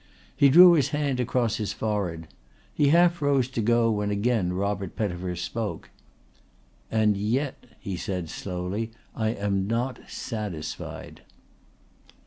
He drew his hand across his forehead. He half rose to go when again Robert Pettifer spoke. "And yet," he said slowly, "I am not satisfied."